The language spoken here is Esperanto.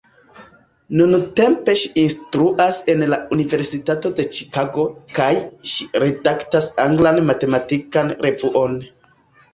Nuntempe ŝi instruas en la Universitato de Ĉikago kaj ŝi redaktas anglan matematikan revuon.